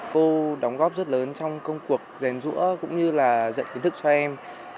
cô đóng góp rất lớn trong công cuộc rèn rũa cũng như là dạy kiến thức cho em